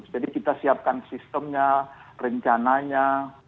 jadi kita siapkan sistemnya rencananya